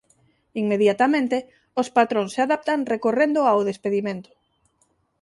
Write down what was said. Inmediatamente os patróns se adaptan recorrendo ao despedimento.